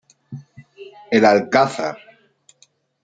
El Alcázar.